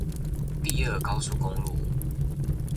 第二高速公路